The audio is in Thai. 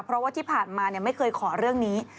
เพราะว่าที่ผ่านมาไม่เคยขอเรื่องนี้